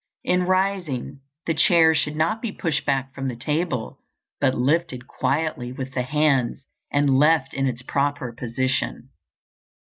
In rising, the chair should not be pushed back from the table, but lifted quietly with the hands, and left in its proper position.